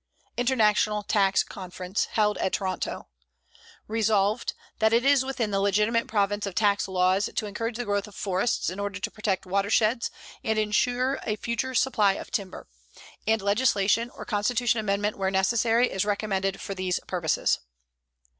INTERNATIONAL TAX CONFERENCE, held at Toronto: Resolved, That it is within the legitimate province of tax laws to encourage the growth of forests in order to protect watersheds and insure a future supply of timber; and legislation, or constitution amendment where necessary, is recommended for these purposes.